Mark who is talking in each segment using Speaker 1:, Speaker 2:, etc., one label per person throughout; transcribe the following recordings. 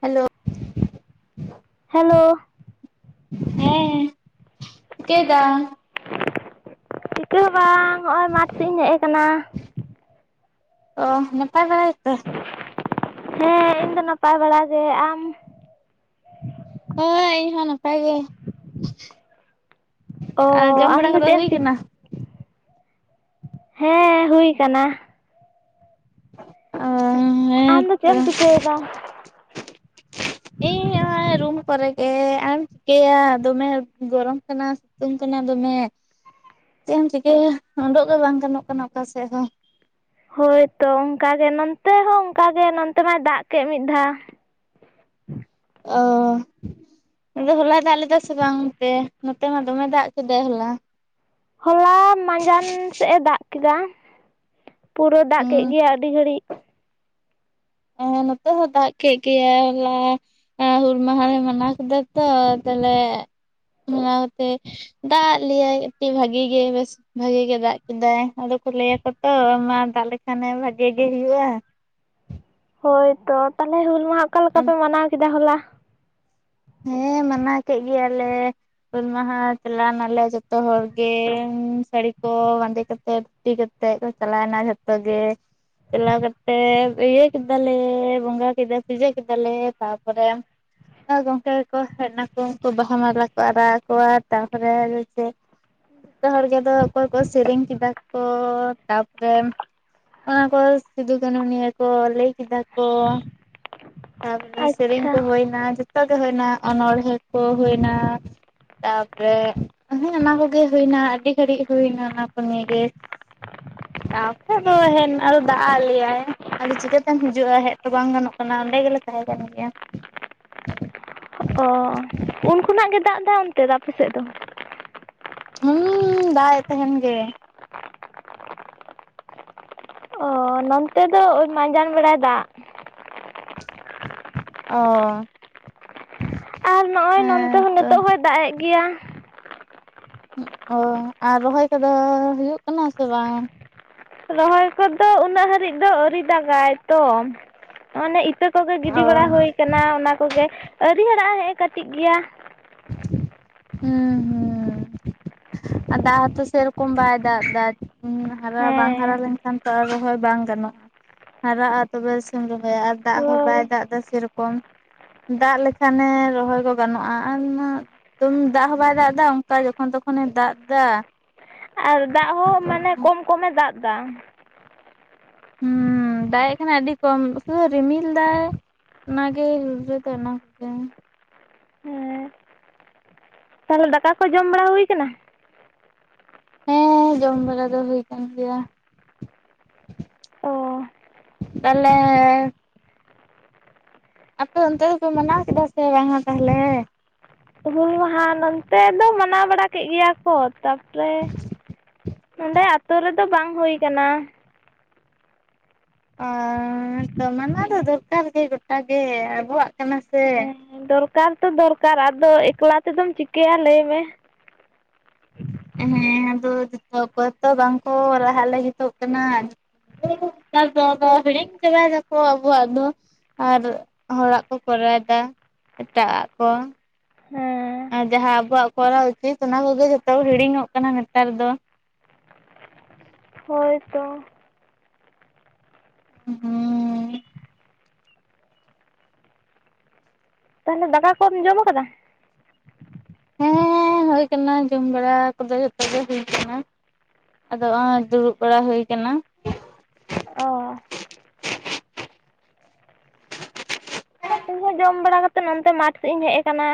Speaker 1: Hello
Speaker 2: hello
Speaker 1: ᱦᱮᱸ ᱪᱤᱠᱟ ᱮᱫᱟᱢ
Speaker 2: ᱪᱤᱠᱟᱹ ᱦᱚᱸ ᱵᱟᱝ ᱱᱚᱜᱼᱚᱭ ᱢᱟᱴ ᱥᱮ ᱤᱧ ᱦᱮᱡ ᱟᱠᱟᱱᱟ
Speaker 1: ᱚ ᱱᱟᱯᱟᱭ ᱵᱟᱲᱟᱜᱮᱭᱟᱯᱮ
Speaker 2: ᱦᱮᱸ ᱤᱧ ᱫᱚ ᱱᱟᱯᱟᱭ ᱵᱟᱲᱟ ᱜᱮ ᱟᱢ
Speaker 1: ᱦᱳᱭ ᱤᱧ ᱦᱚᱸ ᱱᱟᱯᱟᱭ ᱜᱮ
Speaker 2: ᱚ
Speaker 1: ᱟᱨ ᱡᱚᱢ
Speaker 2: ᱟᱢ
Speaker 1: ᱵᱟᱲᱟ
Speaker 2: ᱫᱚ
Speaker 1: ᱠᱚᱫᱚ
Speaker 2: ᱪᱮᱫ ᱮᱢ
Speaker 1: ᱦᱩᱭ
Speaker 2: ᱪᱤᱠ
Speaker 1: ᱠᱟᱱᱟ
Speaker 2: ᱦᱮᱸ ᱦᱩᱭ ᱠᱟᱱᱟ
Speaker 1: [inaudible]
Speaker 2: ᱟᱢ
Speaker 1: ᱦᱮᱸ
Speaker 2: ᱫᱚ ᱪᱮ
Speaker 1: ᱛᱚ
Speaker 2: ᱮᱢ ᱪᱤᱠᱟᱹᱭᱫᱟ
Speaker 1: ᱤᱧ ᱱᱚᱜᱼᱚᱭ ᱨᱩᱢ ᱠᱚᱨᱮ ᱜᱮ ᱟᱨ ᱪᱤᱠᱟᱹᱭᱟ ᱫᱚᱢᱮ ᱜᱚᱨᱚᱢ ᱠᱟᱱᱟ ᱥᱤᱛᱩᱝ ᱠᱟᱱᱟ ᱫᱚᱢᱮ ᱪᱮ ᱮᱢ ᱪᱤᱠᱟᱹᱭᱟ ᱚᱰᱜ ᱜᱮ ᱵᱟᱝ ᱜᱟᱱᱚᱜ ᱠᱟᱱᱟ ᱚᱠᱟ ᱥᱮᱫ ᱦᱚᱸ
Speaker 2: ᱦᱳᱭᱛᱚ ᱚᱱᱠᱟᱜᱮ ᱱᱚᱱᱛᱮ ᱦᱚᱸ ᱚᱱᱠᱟᱜᱮ ᱱᱚᱛᱮ ᱢᱟᱭ ᱫᱟᱜ ᱠᱮᱫ ᱢᱮᱫ ᱫᱷᱟᱣ
Speaker 1: [inaudible] ᱚ ᱛᱚᱵᱮ ᱦᱚᱞᱟᱭ ᱫᱟᱜ ᱞᱮᱫᱟ ᱥᱮ ᱵᱟᱝ ᱚᱱᱛᱮ ᱱᱚᱛᱮ ᱢᱟ ᱫᱚᱢᱮ ᱫᱟᱜ ᱠᱮᱫᱟᱭ ᱦᱚᱞᱟ
Speaker 2: ᱦᱚᱞᱟ ᱢᱟᱸᱡᱟᱱ ᱥᱮ ᱮ ᱫᱟᱜ ᱠᱮᱫᱟ ᱯᱩᱨᱟᱹ ᱫᱟᱜ ᱠᱮ
Speaker 1: ᱦᱮᱸ
Speaker 2: ᱜᱮᱭᱟᱭ ᱟᱹᱰᱤ ᱜᱷᱟᱹᱲᱤ
Speaker 1: ᱦᱮ ᱱᱚᱛᱮ ᱦᱚᱸ ᱫᱟᱜ ᱠᱮ ᱜᱮᱭᱟ ᱦᱚᱞᱟ ᱦᱩᱞ ᱢᱟᱸᱦᱟ ᱞᱮ ᱢᱟᱱᱟᱣ ᱠᱮᱫᱟ ᱛᱚ [unintelligible] [unintelligible] ᱫᱟᱜ ᱞᱮᱭᱟᱭ ᱟᱹᱰᱤ ᱵᱷᱟᱜᱤ ᱜᱮ ᱵᱮᱥ ᱵᱷᱟᱜᱤ ᱜᱮ ᱫᱟᱜ ᱠᱮᱫᱟᱭ ᱟᱫᱚ ᱞᱟᱹᱭ ᱟᱠᱚ ᱛᱚ ᱢᱟ ᱫᱟᱜ ᱞᱮᱠᱷᱟᱱᱮ ᱵᱷᱟᱜᱤ ᱜᱮ ᱦᱩᱭᱩᱜᱼᱟ
Speaker 2: ᱦᱳᱭ ᱛᱚ ᱛᱟᱦᱚᱞᱮ ᱦᱩᱞ ᱢᱟᱦᱟ ᱚᱠᱟ ᱞᱮᱠᱟ ᱯᱮ ᱢᱟᱱᱟᱣ ᱠᱮᱫᱟ ᱦᱚᱞᱟ
Speaker 1: ᱦᱮᱸ ᱢᱟᱱᱟᱣ ᱠᱮᱫ ᱜᱮᱭᱟᱞᱮ ᱦᱩᱞ ᱢᱟᱦᱟ ᱪᱟᱞᱟᱱᱟᱞᱮ ᱡᱚᱛᱚ ᱦᱚᱲ ᱜᱮ ᱥᱟᱹᱲᱤ ᱠᱚ ᱵᱟᱸᱫᱮ ᱠᱟᱛᱮ ᱫᱷᱩᱛᱤ ᱠᱟᱛᱮ ᱠᱚ ᱪᱟᱞᱟᱣᱱᱟ ᱡᱚᱛᱚ ᱜᱮ ᱪᱟᱞᱟᱣ ᱠᱟᱛᱮᱫ ᱤᱭᱟᱹ ᱠᱮᱫᱟᱞᱮ ᱵᱚᱸᱜᱟ ᱠᱮᱫᱟ ᱯᱩᱡᱟᱹ ᱠᱮᱫᱟᱞᱮ ᱛᱟᱨᱯᱚᱨᱮ [unintelligible] ᱟᱹ ᱠᱚ ᱦᱮᱡ ᱱᱟᱠᱚ ᱩᱱᱠᱩ ᱵᱟᱦᱟ ᱢᱟᱞᱟ ᱠᱚ ᱟᱨᱟᱣᱟᱫ ᱠᱚᱣᱟ ᱛᱟᱨᱯᱚᱨᱮ ᱪᱮᱫ ᱡᱚᱛᱚ ᱦᱚᱲ ᱜᱮᱫᱚ ᱚᱠᱚᱭ ᱠᱚ ᱥᱮᱨᱮᱧ ᱠᱮᱫᱟ ᱠᱚ ᱛᱟᱨᱯᱚᱨᱮ ᱚᱱᱟ ᱠᱚ ᱥᱤᱫᱩ ᱠᱟᱹᱱᱦᱩ ᱱᱤᱭᱟᱹ ᱠᱚ ᱞᱟᱹᱭ ᱠᱮᱫᱟ ᱠᱚ ᱛᱟᱨᱯᱚᱨᱮ ᱥᱮᱨᱮᱧ
Speaker 2: ᱟᱪᱪᱷᱟ
Speaker 1: ᱠᱚ ᱦᱩᱭᱱᱟ ᱡᱚᱛᱚᱜᱮ ᱦᱩᱭᱱᱟ ᱚᱱᱚᱬᱦᱮᱸ ᱠᱚ ᱦᱩᱭᱱᱟ ᱛᱟᱨᱯᱚᱨᱮ ᱦᱮᱸ ᱚᱱᱟ ᱠᱚᱜᱮ ᱦᱩᱭᱱᱟ ᱟᱹᱰᱤ ᱜᱷᱟᱹᱲᱤᱡ ᱦᱩᱭᱱᱟ ᱚᱱᱟ ᱠᱚ ᱱᱤᱭᱮ ᱛᱟᱯᱚᱨᱮ ᱫᱚ ᱦᱮᱡ ᱱᱟ ᱟᱨ ᱫᱟᱜᱼᱟᱜ ᱞᱮᱭᱟᱭ ᱟᱫᱚ ᱪᱤᱠᱟᱹᱛᱮᱢ ᱦᱤᱡᱩᱜᱼᱟ ᱦᱮᱡ ᱛᱚ ᱵᱟᱝ ᱜᱟᱱᱚᱜ ᱠᱟᱱᱟ ᱰᱮ ᱜᱮᱞᱮ ᱛᱟᱦᱮᱸ ᱠᱟᱱ ᱜᱮᱭᱟ
Speaker 2: ᱩᱱᱠᱩᱚᱱᱟᱜ ᱜᱮ ᱫᱟᱜ ᱮ ᱚᱱᱛᱮ ᱫᱚ ᱟᱯᱮ ᱥᱮᱫ ᱫᱚ
Speaker 1: ᱦᱩᱸ ᱫᱟᱜ ᱮ ᱛᱟᱦᱮᱱ ᱜᱮ
Speaker 2: ᱚ ᱱᱚᱱᱛᱮ ᱫᱚ ᱳᱭ ᱢᱟᱸᱡᱟᱱ ᱵᱟᱲᱟ ᱫᱟᱜ
Speaker 1: ᱚᱚᱦ
Speaker 2: ᱟᱨ ᱱᱚᱜᱼᱚᱸᱚᱭ ᱱᱚᱱᱛᱮ ᱦᱚᱸ ᱱᱤᱛᱚᱜ ᱦᱚᱭ ᱫᱟᱜ ᱮᱫ ᱜᱮᱭᱟ
Speaker 1: ᱚ ᱟᱨ ᱨᱚᱦᱚᱭ ᱠᱚᱫᱚ ᱦᱩᱭᱩᱜ ᱠᱟᱱᱟ ᱥᱮ ᱵᱟᱝ
Speaker 2: ᱨᱚᱦᱚᱭ ᱠᱚᱫᱚ ᱩᱱᱟᱹᱜ ᱦᱟᱹᱨᱤᱡ ᱫᱚ ᱟᱹᱣᱨᱤ ᱫᱟᱜᱟᱭ ᱛᱚ ᱚᱱᱮ ᱤᱛᱟᱹ ᱠᱚᱜᱮ ᱜᱤᱰᱤ ᱵᱟᱲᱟ
Speaker 1: ᱚ
Speaker 2: ᱦᱩᱭ ᱠᱟᱱᱟ ᱚᱱᱟ ᱠᱚᱜᱮ ᱟᱹᱣᱨᱤ ᱦᱟᱨᱲᱜᱼᱟ ᱱᱮᱜ-ᱮ ᱠᱟᱹᱴᱤᱡ ᱜᱮᱭᱟ
Speaker 1: ᱦᱢᱢ ᱦᱮᱸ ᱟᱨ ᱫᱟᱜ ᱦᱚᱸᱛᱚ ᱥᱮ ᱨᱚᱠᱚᱢ ᱵᱟᱭ ᱫᱟᱜ ᱮᱫᱟ ᱦᱟᱨᱟ ᱵᱟᱝ ᱦᱟᱨᱟ
Speaker 2: ᱦᱮᱸ
Speaker 1: ᱞᱮᱱᱠᱷᱟᱱ ᱚᱛᱚ ᱨᱚᱦᱚᱭ ᱵᱟᱝ ᱜᱟᱱᱚᱜᱼᱟ ᱦᱟᱨᱟᱜᱼᱟ ᱛᱚᱵᱮ ᱥᱮᱢ ᱨᱚᱦᱚᱭᱟ ᱟᱨ ᱫᱟᱜ ᱦᱚᱸ ᱵᱟᱭ
Speaker 2: ᱦᱳᱭ
Speaker 1: ᱫᱟᱜ ᱮᱫᱟ ᱥᱮᱨᱚᱠᱚᱢ ᱫᱟᱜ ᱞᱮᱠᱷᱟᱱᱮ ᱨᱚᱦᱚᱭ ᱠᱚ ᱜᱟᱱᱚᱜᱼᱟ ᱟᱨ ᱚᱱᱟ ᱛᱢ ᱫᱟᱜ ᱦᱚᱸ ᱵᱟᱭ ᱫᱟᱜ ᱮᱫᱟ ᱚᱱᱠᱟ ᱡᱚᱠᱷᱚᱱ ᱛᱚᱠᱷᱚᱱᱮ ᱫᱟᱜ ᱮᱫᱟ
Speaker 2: ᱟᱨ ᱫᱟᱜ ᱦᱚᱸ ᱢᱟᱱᱮ ᱠᱚᱢ ᱠᱚᱢᱮ ᱫᱟᱜ ᱮᱫᱟ
Speaker 1: ᱦᱮᱸ ᱫᱟᱜ ᱮ ᱠᱟᱱᱟ ᱟᱹᱰᱤ ᱠᱚᱢ ᱩᱫᱟᱹᱨ ᱨᱤᱢᱤᱞ ᱫᱟᱭ ᱚᱱᱟᱜᱮ [unintelligible]
Speaker 2: ᱦᱮᱸ ᱛᱟᱦᱚᱞᱮ ᱫᱟᱠᱟ ᱠᱚ ᱡᱚᱢ ᱵᱟᱲᱟ ᱦᱩᱭ ᱠᱟᱱᱟ
Speaker 1: ᱦᱮᱸ ᱡᱚᱢ ᱵᱟᱲᱟ ᱫᱚ ᱦᱩᱭ ᱠᱟᱱ ᱜᱮᱭᱟ
Speaker 2: ᱚ
Speaker 1: ᱛᱟᱦᱚᱞᱮ ᱟᱯᱮ ᱚᱱᱛᱮ ᱫᱚᱯᱮ ᱢᱟᱱᱟᱣ ᱠᱮᱫᱟ ᱥᱮ ᱵᱟᱝᱟ ᱛᱟᱦᱚᱞᱮ
Speaker 2: ᱦᱩᱞ ᱢᱟᱦᱟ ᱱᱚᱱᱛᱮ ᱫᱚ ᱢᱟᱱᱟᱣ ᱵᱟᱲᱟ ᱠᱮᱫᱮᱜ ᱜᱮᱭᱟ ᱠᱚ ᱛᱟᱨᱯᱚᱨᱮ ᱱᱚᱸᱰᱮ ᱟᱛᱳ ᱨᱮᱫᱚ ᱵᱟᱝ ᱦᱩᱭ ᱟᱠᱟᱱᱟ
Speaker 1: ᱦᱚ ᱛᱚ ᱢᱟᱱᱟᱣ ᱫᱚ ᱫᱚᱨᱠᱟᱨ ᱜᱮ᱾ ᱜᱚᱴᱟᱜᱮ ᱟᱵᱚᱣᱟᱜ ᱠᱟᱱᱟ ᱥᱮ᱾
Speaker 2: ᱦᱮᱸ ᱫᱚᱨᱠᱟᱨ ᱛᱚ ᱫᱚᱨᱠᱟᱨ ᱟᱫᱚ ᱮᱠᱞᱟ ᱛᱮᱫᱚᱢ ᱪᱤᱠᱟᱹᱭᱟ ᱞᱟᱹᱭ ᱢᱮ᱾
Speaker 1: ᱦᱮᱸ ᱟᱫᱚ ᱡᱚᱛᱚ ᱚ ᱠᱚᱭ ᱛᱚ ᱵᱟᱝᱠᱚ ᱨᱟᱦᱟᱜ ᱞᱟᱹᱜᱤᱫᱚᱜ ᱠᱟᱱᱟ᱾ ᱮ ᱵᱟᱵᱟ ᱦᱤᱲᱤᱧ ᱪᱟᱵᱟ ᱫᱟᱠᱚ ᱟᱵᱚᱣᱟᱜ ᱫᱚ ᱟᱨ ᱦᱚᱲᱟᱜ ᱠᱚ ᱠᱚᱨᱟᱣᱫᱟ᱾ ᱮᱴᱟᱜ ᱟᱜ ᱠᱚ
Speaker 2: ᱦᱮᱸ
Speaker 1: ᱟᱨ ᱡᱟᱦᱟᱸ ᱟᱵᱚᱣᱟᱜ ᱠᱚᱨᱟᱣ ᱩᱪᱤᱛ ᱚᱱᱟ ᱠᱚᱜᱮ ᱡᱚᱛᱚ ᱦᱤᱲᱤᱧᱚᱜ ᱠᱟᱱᱟ ᱱᱮᱛᱟᱨ ᱫᱚ
Speaker 2: ᱦᱳᱭ ᱛᱚ
Speaker 1: ᱦᱩ
Speaker 2: ᱛᱟᱦᱚᱞᱮ ᱫᱟᱠᱟ ᱠᱚᱢ ᱡᱚᱢ ᱠᱟᱫᱟ?
Speaker 1: ᱦᱮᱸ ᱦᱩᱭ ᱠᱟᱱᱟ ᱡᱚᱢ ᱵᱟᱲᱟ ᱠᱚᱫᱚ ᱡᱚᱛᱚ ᱜᱮ ᱦᱩᱭ ᱠᱟᱱᱟ᱾ ᱟᱫᱚᱜᱼᱚᱭ ᱫᱩᱲᱩᱵ ᱵᱟᱲᱟ ᱦᱩᱭ ᱠᱟᱱᱟ᱾
Speaker 2: ᱚ ᱤᱧ ᱦᱚᱸ ᱡᱚᱢ ᱵᱟᱲᱟ ᱠᱟᱛᱮᱫ ᱱᱚᱛᱮ ᱢᱟᱴᱷ ᱥᱮᱫ ᱤᱧ ᱦᱮᱡ ᱟᱠᱟᱱᱟ᱾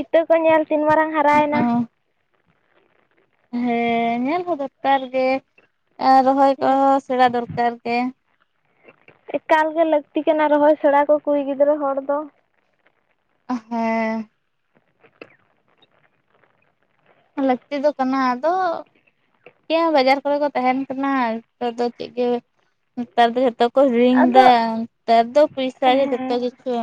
Speaker 2: ᱤᱛᱟᱹ ᱠᱚ ᱧᱮᱞ ᱛᱤᱱ ᱢᱟᱨᱟᱝ ᱦᱟᱨᱟᱭᱮᱱᱟ?
Speaker 1: ᱦᱮᱸ ᱧᱮᱞ ᱦᱚᱸ ᱫᱚᱨᱠᱟᱨ ᱜᱮ ᱨᱚᱦᱚᱭ
Speaker 2: ᱦᱮᱸ
Speaker 1: ᱠᱚᱦᱚᱸ ᱥᱮᱬᱟ ᱫᱚᱨᱠᱟᱨ ᱜᱮ
Speaker 2: ᱮᱠᱟᱞ ᱜᱮ ᱞᱟᱹᱠᱛᱤ ᱠᱟᱱᱟ ᱨᱚᱦᱚᱭ ᱥᱮᱬᱟ ᱠᱚ ᱠᱩᱲᱤ ᱜᱤᱫᱽᱨᱟᱹ ᱦᱚᱲ ᱫᱚ
Speaker 1: ᱦᱮ ᱞᱟᱹᱠᱛᱤ ᱫᱚ ᱠᱟᱱᱟ ᱟᱫᱚ ᱦᱮᱸ ᱵᱟᱡᱟᱨ ᱠᱚᱨᱮ ᱠᱚ ᱛᱟᱦᱮᱱ ᱠᱟᱱᱟ ᱱᱮᱛᱟᱨ ᱫᱚ ᱪᱮᱫ ᱜᱮ ᱱᱮᱛᱟᱨ ᱫᱚ ᱡᱚᱛᱚ ᱠᱚ ᱦᱤᱲᱤᱧ
Speaker 2: ᱟᱫᱚ
Speaker 1: ᱫᱟ ᱛᱟᱨ ᱫᱚ ᱯᱚᱭᱥᱟ ᱜᱮ ᱡᱚᱛᱚ
Speaker 2: ᱦᱮᱸ
Speaker 1: ᱠᱤᱪᱷᱩ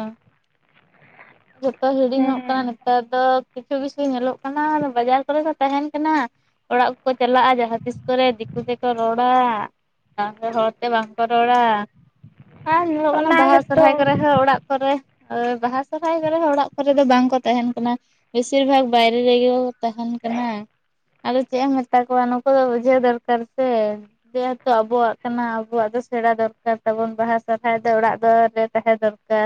Speaker 1: ᱡᱚᱛᱚ ᱦᱤᱲᱤᱧᱚᱜ ᱠᱟᱱᱟ
Speaker 2: ᱦᱮᱸ
Speaker 1: ᱱᱮᱛᱟᱨ ᱫᱚ ᱠᱤᱪᱷᱩ -ᱠᱤᱪᱷᱩ ᱧᱮᱞᱚᱜ ᱠᱟᱱᱟ ᱵᱟᱡᱟᱨ ᱠᱚᱨᱮ ᱫᱚ ᱛᱟᱦᱮᱱ ᱠᱟᱱᱟ ᱚᱲᱟᱜ ᱠᱚᱠᱚ ᱪᱟᱞᱟᱜᱼᱟ ᱡᱟᱦᱟᱸ ᱛᱤᱥ ᱠᱚᱨᱮ ᱠ ᱨᱚᱲᱟ ᱦᱚᱲᱛᱮ ᱵᱟᱝᱠᱚ ᱨᱚᱲᱟ᱾ ᱟᱨ ᱧᱮᱞᱚᱜ ᱠᱟᱱᱟ
Speaker 2: ᱚᱱᱟ
Speaker 1: ᱵᱟᱦᱟ
Speaker 2: ᱜᱮᱛᱚ
Speaker 1: ᱥᱚᱨᱚᱦᱦᱟᱭ ᱠᱚᱨᱮ ᱦᱚᱸ ᱚᱲᱟᱜ ᱠᱚᱨᱮ ᱵᱟᱦᱟ ᱥᱚᱨᱦᱟᱭ ᱵᱨᱮ ᱚᱲᱟᱜ ᱠᱚᱨᱮ ᱫᱚ ᱵᱟᱝᱠᱚ ᱛᱟᱦᱮᱱ ᱠᱟᱱᱟ ᱵᱮᱥᱤᱨ ᱵᱷᱟᱜᱽ ᱵᱟᱭᱨᱮ ᱨᱮᱜᱮ ᱛᱟᱦᱮᱱ ᱠᱟᱱᱟ᱾ ᱟᱫᱚ ᱪᱮᱫ ᱮᱢ ᱢᱮᱛᱟ ᱠᱚᱣᱟ ᱱᱩᱠᱩ ᱫᱚ ᱵᱩᱡᱷᱟᱹᱣ ᱫᱚᱨᱠᱟᱨ ᱥᱮ ᱡᱮᱦᱮᱛᱩ ᱟᱵᱚᱣᱟᱜ ᱠᱟᱱᱟ᱾ ᱟᱵᱚᱣᱟᱜ ᱫᱚ ᱥᱮᱬᱟ ᱫᱚᱨᱠᱟᱨ ᱛᱟᱵᱚᱱ ᱵᱟᱦᱟ ᱥᱚᱨᱦᱟᱭ ᱫᱚ ᱚᱲᱟᱜ ᱫᱣᱟᱹᱨ ᱨᱮ ᱛᱟᱦᱮᱸ ᱫᱚᱨᱠᱟᱨ᱾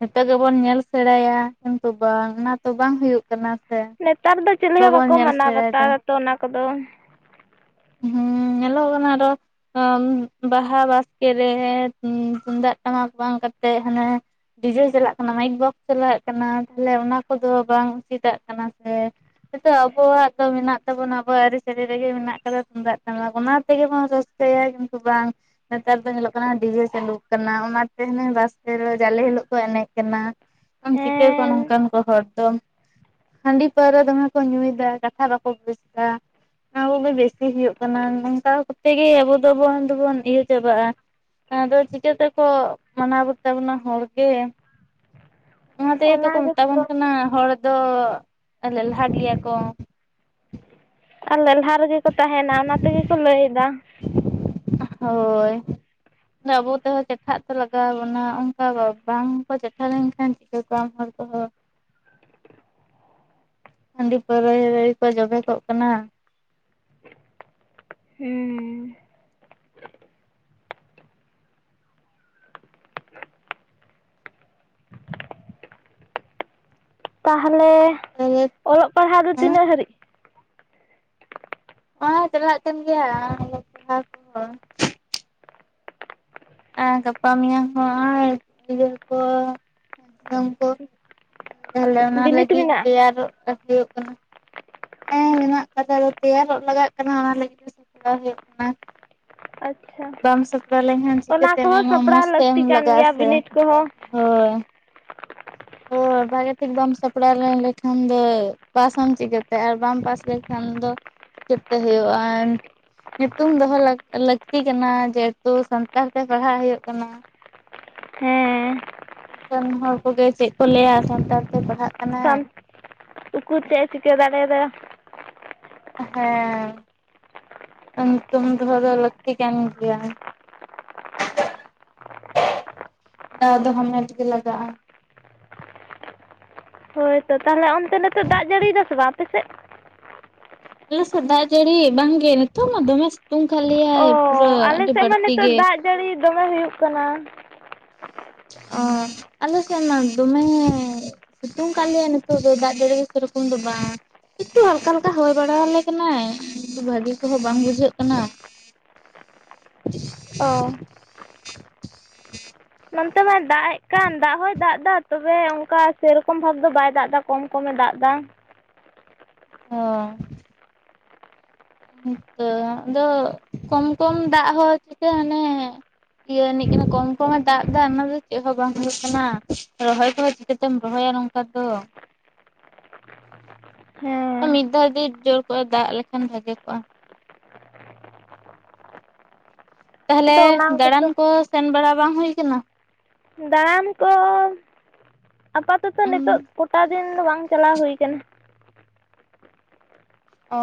Speaker 1: ᱱᱤᱛᱚᱜ ᱜᱮ ᱵᱚᱱ ᱧᱮᱞ ᱥᱮᱬᱟᱭᱟ ᱠᱤᱱᱛᱩ ᱵᱟᱝ ᱚᱱᱟ ᱛᱚ ᱵᱟᱝ ᱦᱩᱭᱩᱜ ᱠᱟᱱᱟ᱾ ᱥᱮ
Speaker 2: ᱱᱮᱛᱟᱨ ᱫᱚ ᱪᱤᱞᱤ ᱦᱚᱸ
Speaker 1: ᱵᱟᱵᱚᱱ
Speaker 2: ᱵᱟᱠᱚ
Speaker 1: ᱧᱮᱞ
Speaker 2: ᱢᱟᱱᱟᱣ
Speaker 1: ᱥᱮᱬᱟᱭᱮᱫᱟ
Speaker 2: ᱵᱟᱛᱟᱣᱟᱛᱚ ᱚᱱᱟ ᱠᱚᱫᱚ
Speaker 1: ᱦᱩᱸ ᱟᱨᱚ ᱵᱟᱦᱟ ᱵᱟᱥᱠᱮ ᱨᱮ ᱛᱩᱢᱫᱟᱜ ᱴᱟᱢᱟᱠ ᱵᱟᱝ ᱠᱟᱛᱮᱜ ᱦᱟᱱᱮ ᱰᱤᱡᱮᱞ ᱪᱟᱞᱟᱜ ᱠᱟᱱᱟ᱾ ᱢᱟᱭᱤᱠ ᱵᱚᱠᱥ ᱪᱟᱞᱟᱜᱟᱜ ᱠᱟᱱᱟ ᱛᱟᱦᱞᱮ ᱚᱱᱟ ᱠᱚᱫᱚ ᱵᱟᱝ ᱩᱥᱤᱤᱫᱟᱜ ᱠᱟᱱᱟ ᱥᱮ ᱱᱤᱛᱳ ᱟᱵᱚᱣᱟᱜ ᱫᱚ ᱢᱮᱱᱟᱜ ᱛᱟᱵᱚᱱᱟ ᱟᱵᱚᱣᱟᱜ ᱟᱹᱨᱤᱪᱟᱹᱞᱤ ᱨᱮᱜᱮ ᱢᱮᱱᱟᱜ ᱠᱟᱫᱟ ᱛᱩᱢᱫᱟᱜ ᱴᱟᱢᱟᱠ ᱚᱱᱟ ᱛᱮᱜᱮ ᱵᱚᱱ ᱨᱟᱹᱥᱠᱟᱹ ᱪᱤᱠᱟᱹᱭᱟ ᱠᱤᱱᱛᱩ ᱵᱟᱝ ᱱᱮᱛᱟᱨ ᱫᱚ ᱧᱮᱞᱚᱜ ᱠᱟᱱᱟ ᱰᱤᱡᱮ ᱪᱟᱹᱞᱩᱠ ᱟᱠᱟᱱᱟ ᱚᱱᱟᱱᱟᱹ ᱵᱟᱥ ᱡᱟᱞᱮ ᱦᱤᱞᱳᱜ ᱠᱚ ᱮᱱᱮᱡ ᱠᱟᱱᱟ᱾ ᱪᱤᱠᱟᱹ ᱠᱚ
Speaker 2: ᱦᱮᱸ
Speaker 1: ᱱᱚᱝᱠᱟᱱ ᱠᱚ ᱦᱚᱲ ᱫᱚ ᱦᱟᱺᱰᱤ ᱯᱟᱹᱣᱨᱟᱹ ᱫᱚᱢᱮ ᱠᱚ ᱧᱩᱭᱮᱫᱫᱟ ᱠᱟᱛᱷᱟ ᱵᱟᱠᱚ ᱵᱩᱡᱽ ᱮᱫᱟ ᱚᱱᱟ ᱠᱚᱜᱮ ᱵᱮᱥᱤ ᱦᱩᱭᱩᱜ ᱠᱟᱱᱟ ᱱᱚᱝᱠᱟᱛᱮ ᱜᱮ ᱟᱵᱚ ᱫᱚᱵᱚᱱ ᱫᱚᱵᱚᱱ ᱤᱭᱟᱹ ᱪᱟᱵᱟᱜᱼᱟ᱾ ᱟᱫᱚ ᱪᱤᱠᱟᱹ ᱛᱮᱠᱚ ᱢᱟᱱᱟᱣ ᱵᱟᱛᱟ ᱵᱚᱱᱟ ᱦᱚᱲᱜᱮ ᱚᱱᱟᱛᱮ ᱡᱚᱛᱚ
Speaker 2: ᱚᱱᱟ
Speaker 1: ᱠᱚ ᱢᱮᱛᱟ ᱵᱚᱱ
Speaker 2: ᱜᱮᱛᱚ
Speaker 1: ᱠᱟᱱᱟ᱾ ᱦᱚᱲ ᱫᱚ ᱞᱮᱦᱟ ᱜᱮᱭᱟ ᱠᱚ᱾
Speaker 2: ᱟᱨ ᱞᱟᱦᱟ ᱨᱮᱜᱮ ᱠᱚ ᱛᱟᱦᱮᱱᱟ ᱚᱱᱟ ᱛᱮᱜᱮ ᱠᱚ ᱞᱟᱹᱭᱫᱟ᱾
Speaker 1: ᱦᱳᱭ ᱟᱵᱚ ᱛᱮᱦᱚᱸ ᱪᱮᱴᱷᱟᱜ ᱛᱚ ᱞᱟᱜᱟᱣ ᱵᱚᱱᱟ ᱚᱱᱠᱟ ᱵᱟᱝᱠᱚ ᱪᱮᱴᱷᱟ ᱞᱮᱱᱠᱷᱟᱱ ᱪᱤᱠᱟᱹ ᱠᱚᱣᱟ ᱟᱢ ᱦᱚᱲ ᱚ ᱦᱟᱺᱰᱤ ᱯᱟᱹᱣᱨᱟᱹ ᱠᱚ ᱡᱚᱵᱮ ᱠᱚᱚᱜ ᱠᱟᱱᱟ᱾
Speaker 2: ᱦᱮᱸ ᱛᱟᱦᱚᱞᱮ
Speaker 1: ᱛᱟᱦᱚᱞᱮ
Speaker 2: ᱚᱞᱚᱜ ᱯᱟᱲᱦᱟᱜ ᱫᱚ
Speaker 1: ᱦᱮᱸ
Speaker 2: ᱛᱤᱱᱟᱹᱜ ᱦᱟᱹᱨᱤᱡ?
Speaker 1: ᱱᱚᱜᱚᱭ ᱪᱟᱞᱟᱜ ᱠᱟᱱ ᱜᱮᱭᱟ ᱟᱞᱮ ᱯᱟᱲᱦᱟᱣ ᱠᱚᱦᱚᱸ ᱟᱨ ᱜᱟᱯᱟ ᱢᱮᱭᱟᱝ ᱦᱚᱸ ᱟᱨ ᱜᱤᱫᱽᱨᱟᱹ ᱠᱚ ᱚᱢ ᱠᱚ ᱵᱷᱟᱞᱮ ᱚᱱᱟ
Speaker 2: ᱵᱤᱱᱤᱰ
Speaker 1: ᱞᱟᱹᱜᱤᱫ
Speaker 2: ᱢᱮᱱᱟᱜᱼᱟ
Speaker 1: ᱛᱮᱭᱟᱨᱚᱜ ᱦᱩᱭᱩᱜ ᱠᱟᱱᱟ᱾ ᱦᱮᱸ ᱢᱮᱱᱟᱜ ᱠᱟᱫᱟ ᱛᱮᱭᱟᱨᱚᱜ ᱞᱟᱜᱟᱜ ᱠᱟᱱᱟ ᱚᱱᱟ ᱞᱟᱹᱜᱤᱫ ᱛᱮ ᱥᱟᱯᱲᱟᱣ ᱦᱩᱭᱩᱜ ᱠᱟᱱᱟ᱾
Speaker 2: ᱟᱪᱪᱷᱟ
Speaker 1: ᱵᱟᱢ ᱥᱟᱯᱲᱟᱣ ᱞᱮᱱᱠᱷᱟᱱ
Speaker 2: ᱚᱱᱟ
Speaker 1: ᱪᱤᱠᱟᱹᱛᱮᱢ
Speaker 2: ᱠᱚᱦᱚᱸ
Speaker 1: ᱮᱢᱟ ᱢᱚᱸᱡᱽ
Speaker 2: ᱥᱟᱯᱲᱟᱣ
Speaker 1: ᱛᱮᱢ
Speaker 2: ᱞᱟᱹᱠᱛᱤ ᱠᱟᱱ
Speaker 1: ᱞᱟᱜᱟᱜᱼᱟ
Speaker 2: ᱜᱮᱭᱟ
Speaker 1: ᱥᱮᱮ
Speaker 2: ᱵᱤᱱᱤᱰ ᱠᱚᱦᱚᱸ
Speaker 1: ᱦᱳᱭ ᱚ ᱵᱷᱟᱜᱮ ᱴᱷᱤᱠ ᱵᱟᱢ ᱥᱟᱯᱲᱟᱣ ᱞᱮ ᱞᱮᱠᱷᱟᱱ ᱫᱚ ᱯᱟᱥᱟᱢ ᱪᱤᱠᱟᱹᱛᱮ ᱟᱨ ᱵᱟᱢ ᱯᱟᱥ ᱞᱮᱠᱷᱟᱱ ᱫᱚ ᱦᱤᱥᱟᱹᱵ ᱛᱮ ᱦᱩᱭᱩᱜᱼᱟ ᱧᱩᱛᱩᱢ ᱫᱚᱦᱚ ᱞᱟᱹᱠᱛᱤ ᱠᱟᱱᱟ ᱡᱮᱦᱮᱛᱩ ᱥᱟᱱᱛᱟᱲ ᱛᱮ ᱯᱟᱲᱦᱟᱜ ᱦᱩᱭᱩᱜ ᱠᱟᱱᱟ
Speaker 2: ᱦᱮᱸ
Speaker 1: ᱠᱟᱱ ᱦᱚᱲ ᱠᱚᱜᱮ ᱪᱮᱫ ᱠᱚ ᱞᱟᱹᱭᱟ ᱥᱟᱱᱛᱟᱲ ᱛᱮ ᱯᱟᱲᱦᱟᱜ ᱠᱟᱱᱟᱭ
Speaker 2: ᱠᱩ ᱪᱮᱫ ᱮ ᱪᱤᱠᱟᱹ ᱫᱟᱲᱮᱭᱟᱫᱟ
Speaker 1: ᱦᱮᱸ ᱧᱩᱛᱩᱢ ᱫᱚᱦᱚ ᱫᱚ ᱞᱟᱹᱠᱛᱤ ᱠᱟᱱ ᱜᱮᱭᱟ ᱫᱟᱣ ᱫᱚ ᱦᱟᱢᱱᱟᱮᱴ ᱜᱮ ᱞᱟᱜᱟᱜᱼᱟ
Speaker 2: ᱦᱳᱭ ᱛᱚ ᱛᱟᱦᱚᱞᱮ ᱚᱱᱛᱮ ᱱᱤᱛᱚᱜᱜ ᱫᱟᱜ ᱡᱟᱹᱲᱤᱭᱮᱫᱟᱥᱮ ᱵᱟᱝ ᱟᱯᱮᱮᱥᱮᱫ
Speaker 1: ᱟᱞ ᱥᱫᱟ ᱡᱟᱹᱲᱤ ᱵᱟᱝᱝᱱ ᱛᱚ ᱢᱟ ᱫᱚ ᱢᱮ ᱥᱤᱛᱩᱝ ᱠᱫ
Speaker 2: ᱚ
Speaker 1: ᱞᱮᱭᱟᱭ ᱯᱩᱨᱟᱹ
Speaker 2: ᱟᱞᱮ
Speaker 1: ᱟᱹᱰᱤ
Speaker 2: ᱥᱮᱫ ᱢᱟ
Speaker 1: ᱵᱟᱹᱲᱛᱤ
Speaker 2: ᱱᱤᱛᱚᱜ
Speaker 1: ᱜᱮ
Speaker 2: ᱫᱟᱜ ᱡᱟᱹᱲᱤ ᱫᱚᱢᱮ ᱦᱩᱭᱩᱜ ᱠᱟᱱᱟ
Speaker 1: ᱚᱻ ᱟᱞᱮ ᱥᱮᱮᱫ ᱢᱟ ᱫᱚᱢᱮ ᱥᱤᱛᱩᱝ ᱠᱟᱜ ᱞᱮᱭᱟ ᱱᱤᱛᱚᱜ ᱫᱚ ᱫᱟᱜ ᱡᱟᱹᱲᱤ ᱜᱮᱛᱩ ᱥᱮ ᱨᱚᱠᱚᱢ ᱫᱚ ᱵᱟᱝ ᱮᱠᱴᱩ ᱦᱟᱞᱠᱟ ᱦᱟᱞᱠᱟᱭ ᱦᱚᱭ ᱵᱟᱲᱟ ᱟᱞᱮ ᱠᱟᱱᱟᱭ ᱠᱤᱱᱛᱩ ᱵᱷᱟᱹᱜᱤ ᱠᱚᱦᱚᱸ ᱵᱟᱝ ᱵᱩᱡᱷᱟᱹᱜ ᱠᱟᱱᱟ
Speaker 2: ᱚ
Speaker 1: ᱦ [inaudible]
Speaker 2: ᱱᱚᱱᱛᱮ ᱢᱟᱭ ᱫᱟᱜ ᱮᱫ ᱠᱟᱱ ᱫᱟᱜ ᱦᱚᱭ ᱫᱟᱜ ᱮᱫᱟ ᱛᱚᱵᱮ ᱚᱱᱠᱟ ᱥᱮᱨᱚᱠᱚᱢ ᱵᱷᱟᱵᱽ ᱫᱚ ᱵᱟᱭ ᱫᱟᱜ ᱮᱫᱟ ᱠᱚᱢ ᱠᱚᱢᱮ ᱫᱟᱜ ᱮᱫᱟ ᱵᱟᱝ
Speaker 1: ᱚ ᱦᱮᱸ ᱛᱚ ᱟᱫᱚ ᱠᱚᱢ ᱠᱚᱢ ᱫᱟᱜ ᱦᱚᱸ ᱪᱤᱠᱟᱹ ᱦᱟᱱᱮ ᱤᱭᱟᱹ ᱮᱱᱤᱡ ᱠᱚᱢ ᱠᱚᱢᱮ ᱫᱟᱜ ᱮᱫᱟ ᱚᱱᱟ ᱫᱚ ᱪᱮᱫᱦᱚᱸ ᱵᱟᱝ ᱦᱩᱭᱩᱜ ᱠᱟᱱᱟ ᱨᱚᱦᱚᱭ ᱠᱚᱦᱚᱸ ᱪᱤᱠᱟᱹᱛᱮᱢ ᱨᱚᱦᱚᱭᱟ ᱱᱚᱝᱠᱟ ᱫᱚ
Speaker 2: ᱦᱮᱸ
Speaker 1: ᱢᱤᱫ ᱫᱷᱟᱣ ᱜᱮ ᱡᱳᱨ ᱠᱚᱜᱼᱟ ᱫᱟᱜ ᱞᱮᱠᱷᱟᱱ ᱵᱷᱟᱜᱮ ᱠᱚᱜᱼᱟ ᱛᱟᱦᱚᱞᱮ
Speaker 2: ᱟᱫᱚ ᱚᱱᱟ
Speaker 1: ᱫᱟᱬᱟᱱ
Speaker 2: ᱠᱚᱛᱚ
Speaker 1: ᱠᱚ ᱥᱮᱱ ᱵᱟᱲᱟ ᱵᱟᱝ ᱦᱩᱭ ᱟᱠᱟᱱᱟ
Speaker 2: ᱫᱟᱬᱟᱱ ᱠᱚ ᱟᱯᱟᱛᱚᱛᱚ ᱱᱤᱛᱚᱜ ᱠᱚᱴᱟ ᱫᱤᱱ ᱫᱚ ᱵᱟᱝ ᱵᱟᱝ ᱪᱟᱞᱟᱣ ᱦᱩᱭ ᱟᱠᱟᱱᱟ
Speaker 1: ᱚ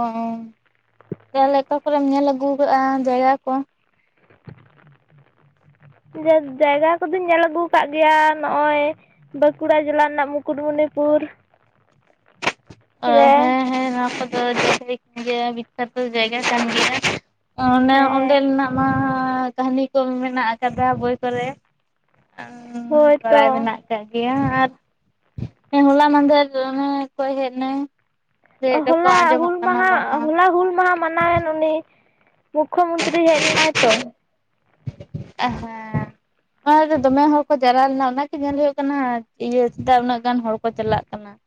Speaker 1: ᱛᱟᱦᱞᱮ ᱚᱠᱟ ᱠᱚᱨᱮᱢ ᱧᱮᱞ ᱟᱹᱜᱩ ᱠᱟᱜᱼᱟ ᱡᱟᱭᱜᱟ ᱠᱚ
Speaker 2: ᱡᱮ ᱡᱟᱭᱜᱟ ᱠᱚᱫᱚᱧ ᱧᱮᱞ ᱟᱹᱜᱩ ᱟᱠᱟᱫ ᱜᱮᱭᱟ ᱱᱚᱜᱼᱚᱭ ᱵᱟᱸᱠᱩᱲᱟ ᱡᱮᱞᱟ ᱨᱮᱱᱟᱜ ᱢᱩᱠᱩᱴᱢᱩᱱᱤ ᱦᱚᱲᱨ [unintelligible]
Speaker 1: ᱦᱮᱸ ᱦᱮᱸ ᱱᱚᱣᱟ ᱠᱚᱫᱚ ᱜᱮ ᱵᱤᱠᱠᱷᱟᱛᱚ ᱡᱟᱭᱜᱟ ᱠᱟᱱ ᱜᱮᱭᱟ ᱚᱱᱮ
Speaker 2: ᱦᱮᱸ
Speaker 1: ᱚᱸᱰᱮᱱᱟᱜ ᱢᱟ ᱠᱟᱹᱦᱱᱤ ᱠᱚ ᱢᱮᱱᱟᱜ ᱠᱟᱫᱟ ᱵᱳᱭ ᱠᱚᱨᱮ
Speaker 2: ᱦᱳᱭᱛᱚ
Speaker 1: ᱵᱟᱲᱟᱭ ᱢᱮᱱᱟᱜ ᱟᱠᱟᱫ ᱜᱮᱭᱟ ᱟᱨ ᱦᱚᱞᱟ ᱢᱫᱷᱮᱨ ᱚᱱᱮᱠᱚᱭ ᱦᱮᱡ ᱞᱮᱱ
Speaker 2: ᱦᱚᱳᱞᱟ ᱦᱩᱞ ᱢᱟᱦᱟ ᱦᱚᱞᱟ ᱦᱩᱞ ᱢᱟᱦᱟ ᱢᱟᱱᱟᱣᱮᱱ ᱩᱱᱤ ᱢᱩᱠᱠᱷᱚ ᱢᱚᱱᱛᱨᱤᱤᱭ ᱦᱮᱡ ᱞᱮᱱᱟᱭ ᱛᱚ
Speaker 1: ᱟ [inaudible] ᱚᱱᱟ ᱫᱚᱢᱮ ᱦᱚᱲ ᱠᱚ ᱡᱟᱞᱟᱣ ᱞᱮᱱᱟ ᱚᱱᱟᱜᱮ ᱧᱮᱞ ᱦᱩᱭᱩᱜ ᱠᱟᱱᱟ ᱤᱭᱟᱹ ᱪᱮᱫᱟᱜ ᱩᱱᱟᱹᱜ ᱜᱟᱱ ᱦᱚᱲ ᱠᱚ ᱪᱟᱞᱟᱜ ᱠᱟᱱᱟ [inaudible]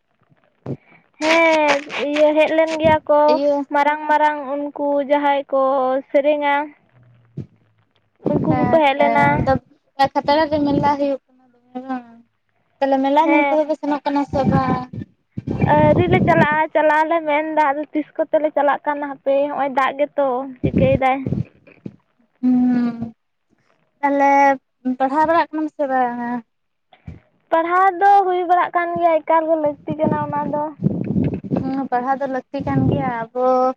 Speaker 2: ᱦᱮᱸ ᱤᱭᱟᱹ ᱦᱮᱡ ᱞᱮᱱ ᱜᱮᱭᱟ ᱠᱚ
Speaker 1: ᱤᱭᱟᱹ
Speaker 2: ᱢᱟᱨᱟᱝ ᱢᱟᱨᱟᱝ ᱩᱱᱠᱩ ᱡᱟᱦᱟᱸᱭ ᱠᱚ ᱥᱮᱨᱮᱧᱟ ᱩᱱᱠᱩ ᱠᱚᱠᱚ
Speaker 1: ᱦᱮᱸ
Speaker 2: ᱦᱮᱡ
Speaker 1: ᱦᱮᱸ
Speaker 2: ᱞᱮᱱᱟ
Speaker 1: ᱟᱫᱚ ᱠᱷᱟᱛᱲᱟ ᱨᱮ ᱢᱮᱞᱟ ᱦᱩᱭᱩᱜ ᱠᱟᱱᱟ ᱫᱚᱢᱮ ᱛᱟᱦᱚᱞᱮ ᱢᱮᱞᱟ ᱧᱮᱞ
Speaker 2: ᱦᱮᱸ
Speaker 1: ᱠᱚᱫᱚ ᱯᱮ ᱥᱮᱱᱚᱜ ᱠᱟᱱᱟ ᱥᱮ ᱵᱟᱝ
Speaker 2: ᱟᱹᱣᱨᱤ ᱞᱮ ᱪᱟᱞᱟᱜᱼᱟ ᱪᱟᱞᱟᱜ ᱟᱞᱮ ᱢᱮᱱᱫᱟ ᱟᱫᱚ ᱛᱤᱥ ᱠᱚᱛᱮᱞᱮ ᱪᱟᱞᱟᱜ ᱠᱟᱱᱟ ᱦᱟᱯᱮ ᱱᱚᱜᱼᱚᱭ ᱫᱟᱜ ᱜᱮ ᱛᱚ ᱪᱤᱠᱟᱹᱭ ᱫᱟᱭ
Speaker 1: ᱦᱮᱸ ᱛᱟᱦᱞᱮ ᱯᱟᱲᱦᱟᱣ ᱵᱟᱲᱟᱜ ᱠᱟᱱᱟ ᱥᱮ ᱵᱟᱝᱼᱟ
Speaker 2: ᱯᱟᱲᱦᱟᱣ ᱫᱚ ᱦᱩᱭ ᱵᱟᱲᱟᱜ ᱠᱟᱱ ᱜᱮᱭᱟ ᱮᱠᱟᱞ ᱜᱮᱮ ᱞᱟᱹᱠᱛᱤ ᱠᱟᱱᱟ ᱚᱱᱟ ᱫᱚ
Speaker 1: ᱦᱮᱸ ᱯᱟᱲᱦᱟᱣ ᱫᱚ ᱞᱟᱹᱠᱛᱤ ᱠᱟᱱ ᱜᱮᱭᱟ ᱟᱵᱚ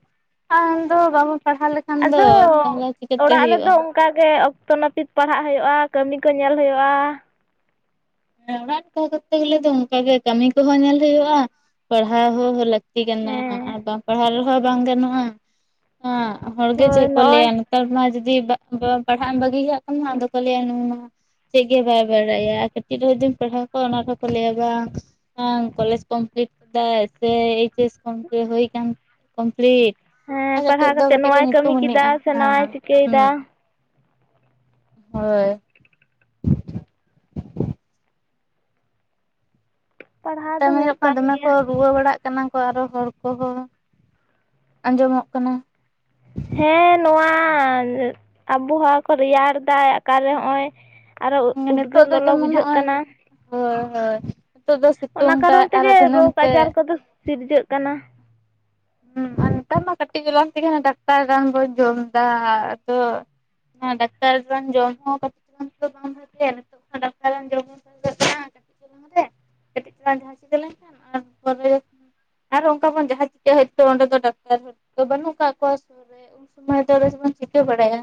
Speaker 1: ᱫᱚ ᱵᱟᱵᱚᱱ ᱯᱟᱲᱦᱟᱣ ᱞᱮᱠᱷᱟᱱ ᱫᱚ
Speaker 2: ᱟᱫᱚ
Speaker 1: ᱛᱟᱦᱚᱞᱮ ᱪᱤᱠᱟᱹᱛᱮ
Speaker 2: ᱚᱲᱟᱜ
Speaker 1: ᱦᱩᱭᱩᱜᱼᱟ
Speaker 2: ᱨᱮᱫᱚ ᱚᱱᱠᱟᱜᱮ ᱚᱠᱛᱚ ᱱᱟᱹᱯᱤᱛ ᱯᱟᱲᱦᱟᱜ ᱦᱩᱭᱩᱜᱼᱟ ᱠᱟᱹᱢᱤ ᱠᱚ ᱧᱮᱞ ᱦᱩᱭᱩᱜᱼᱟ
Speaker 1: ᱦᱮᱸ ᱚᱲᱟᱜ ᱨᱮ ᱛᱟᱦᱮᱸᱛᱮ ᱜᱮᱞᱮ ᱫᱚ ᱚᱱᱠᱟᱜᱮ ᱠᱟᱹᱢᱤ ᱠᱚᱦᱚᱸ ᱧᱮᱞ ᱦᱩᱭᱩᱜᱼᱟ ᱯᱟᱲᱦᱟᱣ ᱦᱚᱸ ᱞᱟᱹᱠᱛᱤ
Speaker 2: ᱦᱮᱸ
Speaker 1: ᱞᱟᱹᱠᱛᱤ [inaudible] ᱟᱨ ᱵᱟᱝ ᱯᱟᱲᱦᱟᱣ ᱨᱮᱦᱚᱸ ᱵᱟᱝ ᱜᱟᱱᱚᱜᱼᱟ ᱦ [inaudible] ᱦᱚᱲᱜᱮ
Speaker 2: ᱦᱳᱭ
Speaker 1: ᱪᱮᱠᱚᱞᱤᱮ
Speaker 2: ᱱᱚᱜᱼᱚᱭ
Speaker 1: ᱱᱮᱛᱟᱨ ᱢᱟ ᱡᱩᱫᱤ ᱯᱟᱲᱦᱟᱜ ᱮᱢ ᱵᱟᱹᱜᱤ ᱠᱟᱜ ᱠᱷᱟᱱ ᱢᱟ ᱟᱫᱚ ᱠᱚ ᱞᱟᱹᱭᱟ ᱱᱩᱭ ᱢᱟ ᱪᱮᱫ ᱜᱮ ᱵᱟᱭ ᱵᱟᱲᱟᱭᱟ ᱪᱮᱫ ᱨᱮ ᱡᱩᱫᱤᱢ ᱯᱟᱲᱦᱟᱣ ᱠᱚᱣᱟ ᱚᱱᱟ ᱨᱮᱦᱚᱸ ᱠᱚ ᱞᱟᱹᱭᱟ ᱵᱟᱝ ᱠᱚᱞᱮᱡᱽ ᱠᱚᱢᱯᱞᱤᱴ ᱠᱟᱫᱟ ᱥᱮ ᱠᱚᱢ ᱦᱩᱭ ᱟᱠᱟᱱ ᱠᱚᱢᱯᱞᱤᱴ
Speaker 2: ᱦᱮᱸ
Speaker 1: ᱠᱟᱹᱴᱤᱡ
Speaker 2: ᱯᱟᱲᱦᱟᱣ
Speaker 1: ᱫᱚ
Speaker 2: ᱠᱟᱛᱮᱫ
Speaker 1: ᱠᱟᱹᱴᱤᱡ ᱠᱚ
Speaker 2: ᱱᱚᱣᱟᱭ ᱠᱟᱹᱢᱤ ᱠᱮᱫᱟ
Speaker 1: ᱧᱩᱛᱩᱢᱱᱤᱡᱼᱟ
Speaker 2: ᱥᱮ
Speaker 1: ᱦᱮᱸ
Speaker 2: ᱱᱚᱣᱟᱭ
Speaker 1: ᱦᱮᱸ
Speaker 2: ᱪᱤᱠᱟᱹᱭᱮᱫᱟ
Speaker 1: ᱦᱳᱭ
Speaker 2: ᱯᱟᱲᱦᱟᱣ
Speaker 1: ᱱᱮᱛ
Speaker 2: ᱫᱚ
Speaker 1: [inaudible] ᱦ
Speaker 2: ᱦᱩᱭᱩᱜ
Speaker 1: ᱢᱟ
Speaker 2: ᱠᱟᱱ
Speaker 1: ᱫᱚᱢᱮ ᱠᱚ
Speaker 2: ᱜᱮᱭᱟ
Speaker 1: ᱨᱩᱣᱟᱹ ᱵᱟᱲᱟᱜ ᱠᱟᱱᱟ ᱟᱨᱚ ᱦᱚᱲ ᱠᱚᱦᱚᱸ ᱟᱸᱡᱚᱢᱚᱜ ᱠᱟᱱᱟ
Speaker 2: ᱦᱮᱸ ᱱᱚᱣᱟ ᱟᱵᱚᱦᱟᱣᱟ ᱠᱚ ᱨᱮᱭᱟᱲ ᱫᱟᱭ ᱚᱠᱟᱨᱮ ᱱᱚᱜᱼᱚᱭ ᱟᱨᱚ ᱩᱫᱽᱜᱟᱹᱨ
Speaker 1: ᱱᱤᱛᱚᱜ ᱫᱚ
Speaker 2: ᱞᱚᱞᱚ
Speaker 1: ᱡᱮᱢᱚᱱ
Speaker 2: ᱵᱩᱡᱷᱟᱹᱜ
Speaker 1: ᱱᱚᱜᱼᱚᱭ
Speaker 2: ᱠᱟᱱᱟ
Speaker 1: ᱦᱳᱭ ᱦᱳᱭ ᱱᱤᱛᱚᱜ ᱫᱚᱭ
Speaker 2: ᱚᱱᱟ
Speaker 1: ᱥᱤᱛᱩᱝ ᱫᱟ
Speaker 2: ᱠᱟᱨᱚᱱ
Speaker 1: ᱟᱨᱚ
Speaker 2: ᱛᱮᱜᱮ
Speaker 1: ᱫᱷᱤᱱᱟᱹᱝ
Speaker 2: ᱨᱳᱜᱽ
Speaker 1: ᱛᱮ
Speaker 2: ᱟᱡᱟᱨ ᱠᱚᱫᱚ ᱥᱤᱨᱡᱟᱹᱜ ᱠᱟᱱᱟ
Speaker 1: ᱦᱮᱸ ᱟᱨ ᱱᱮᱛᱟᱨ ᱢᱟ ᱠᱟᱹᱴᱤᱡ ᱡᱟᱞᱟ ᱛᱮᱜᱮ ᱰᱟᱠᱴᱚᱨ ᱨᱟᱱ ᱵᱚᱱ ᱡᱚᱢ ᱮᱫᱟ ᱟᱫᱚ ᱰᱟᱠᱴᱚᱨ ᱨᱟᱱ ᱡᱚᱢ ᱦᱚᱸ ᱵᱟᱝ ᱵᱷᱟᱜᱮᱭᱟ ᱱᱤᱛᱚᱜ ᱰᱟᱠᱴᱚᱨ ᱨᱟᱱ ᱡᱚᱢ ᱦᱚᱸ ᱠᱟᱹᱴᱤᱡ ᱪᱟᱞᱟᱝ ᱨᱩᱣᱟᱹ ᱡᱟᱦᱟᱸ ᱞᱮᱱᱠᱷᱟᱱ ᱟᱨᱦᱚᱸ ᱚᱱᱠᱟ ᱡᱟᱦᱟᱸ ᱦᱳᱭ ᱛᱚ ᱚᱱᱰᱮ ᱫᱚ ᱰᱟᱠᱴᱚᱨ ᱵᱟᱹᱱᱩᱜ ᱠᱟᱜ ᱠᱚᱣᱟ ᱩᱱ ᱥᱚᱢᱚᱭ ᱫᱚ ᱥᱮᱫᱵᱚᱱ ᱪᱤᱠᱟᱹ ᱵᱟᱲᱟᱭᱟ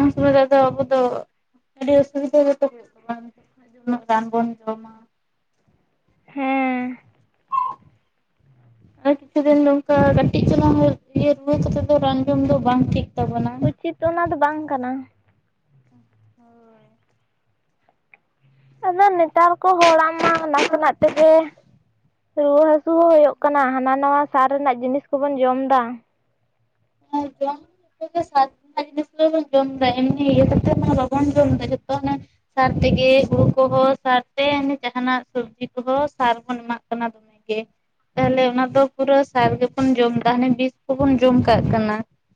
Speaker 1: ᱩᱱ ᱥᱚᱢᱚᱭ ᱨᱮ ᱟᱫᱚ ᱟᱵᱚ ᱫᱚ ᱟᱹᱰᱤ ᱚᱥᱩᱵᱤᱫᱷᱟ ᱜᱮᱛᱚ ᱦᱩᱭᱩᱜ ᱠᱟᱱᱟ ᱡᱮ ᱨᱟᱱ ᱵᱚᱱ ᱡᱚᱢᱟ
Speaker 2: ᱦᱮᱸ
Speaker 1: ᱟᱨ ᱠᱤᱪᱷᱩ ᱫᱤᱱ ᱱᱚᱝᱠᱟ ᱠᱟᱹᱴᱤᱡ ᱪᱩᱞᱩᱝ ᱨᱩᱣᱟᱹ ᱠᱟᱛᱮ ᱫᱚ ᱨᱟᱱ ᱡᱚᱢ ᱫᱚ ᱵᱟᱝ ᱴᱷᱤᱠ ᱛᱟᱵᱚᱱᱟ
Speaker 2: ᱩᱪᱤᱛ ᱚᱱᱟ ᱫᱚ ᱵᱟᱝ ᱠᱟᱱᱟ
Speaker 1: ᱦᱳᱭ
Speaker 2: ᱟᱫᱚ ᱱᱮᱛᱟᱨ ᱠᱚ ᱦᱚᱲᱟᱜ ᱢᱟ ᱱᱟᱥᱮᱱᱟᱜ ᱛᱮᱜᱮ ᱨᱩᱣᱟᱹ ᱦᱟᱹᱥᱩ ᱦᱚᱸ ᱦᱩᱭᱩᱜ ᱠᱟᱱᱟ ᱦᱟᱱᱟ ᱱᱷᱟᱣᱟ ᱥᱟᱨ ᱨᱮᱱᱟᱜ ᱡᱤᱱᱤᱥ ᱠᱚᱵᱚᱱ ᱡᱚᱢ ᱮᱫᱟ
Speaker 1: ᱦᱮᱸ ᱡᱚᱢ ᱥᱟᱨ ᱡᱤᱱᱤᱥ ᱫᱚᱵᱚᱱ ᱡᱚᱢ ᱮᱫᱟ ᱮᱢᱱᱤ ᱤᱭᱟᱹ ᱠᱟᱛᱮ ᱵᱟᱵᱚᱱ ᱡᱚᱢᱟ ᱡᱚᱛᱚ ᱥᱟᱨ ᱛᱮᱜᱮ ᱦᱩᱲᱩ ᱠᱚᱦᱚᱸ ᱥᱟᱨ ᱛᱮ ᱡᱟᱦᱟᱱᱟᱜ ᱥᱚᱵᱽᱡᱤ ᱠᱚᱦᱚᱸ ᱥᱟᱨ ᱵᱚᱱ ᱮᱢᱟᱜ ᱠᱟᱱᱟ ᱫᱚᱢᱮ ᱛᱟᱦᱚᱞᱮ ᱚᱱᱟ ᱫᱚ ᱯᱩᱨᱟᱹ ᱥᱟᱨ ᱜᱮᱵᱚᱱ ᱡᱚᱢ ᱮᱫᱟ ᱦᱟᱱᱮ ᱵᱤᱥ ᱠᱚᱵᱚᱱ ᱡᱚᱢ ᱟ ᱠᱟᱜ ᱠᱟᱱᱟ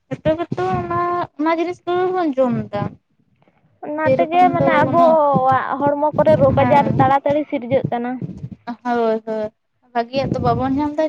Speaker 1: ᱡᱚᱛᱚ ᱠᱚᱛᱚ ᱚᱱᱟ ᱚᱱᱟ ᱡᱤᱱᱤᱥ ᱫᱚᱵᱚᱱ ᱡᱚᱢ ᱮᱫᱟ
Speaker 2: ᱚᱱᱟ ᱛᱮᱜᱮ
Speaker 1: ᱥᱮᱨᱚᱠᱚᱢ ᱫᱚ
Speaker 2: ᱢᱟᱱᱮ
Speaker 1: ᱠᱳᱱᱳ
Speaker 2: ᱟᱵᱚᱣᱟᱜ ᱦᱚᱲᱢᱚ ᱠᱚᱨᱮ ᱨᱳᱜᱽ ᱟᱡᱟᱨ
Speaker 1: ᱦᱮᱸ
Speaker 2: ᱛᱟᱲᱟᱛᱟᱲᱤ ᱥᱤᱨᱡᱟᱹᱜ ᱠᱟᱱᱟ
Speaker 1: ᱦᱳᱭ ᱦᱳᱭ ᱵᱷᱟᱜᱤᱭᱟᱜ ᱛᱚ ᱵᱟᱵᱚᱱ ᱧᱟᱢ ᱫᱫᱟ